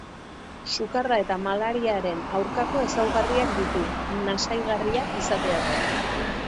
Sukarra eta malariaren aurkako ezaugarriak ditu, nasaigarria izateaz gain.